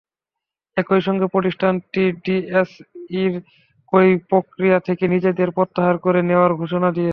একই সঙ্গে প্রতিষ্ঠানটি ডিএসইর ক্রয় প্রক্রিয়া থেকে নিজেদের প্রত্যাহার করে নেওয়ার ঘোষণা দিয়েছে।